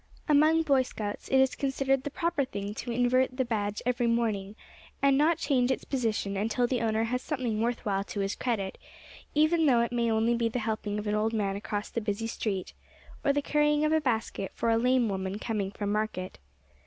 Among Boy Scouts it is considered the proper thing to invert the badge every morning, and not change its position until the owner has something worth while to his credit, even though it may only be the helping of an old man across the busy street; or the carrying of a basket for a lame woman coming from market.